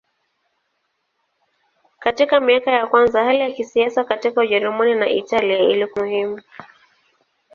Katika miaka ya kwanza hali ya kisiasa katika Ujerumani na Italia ilikuwa muhimu.